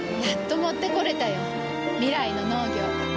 やっと持ってこれたよ。未来の農業。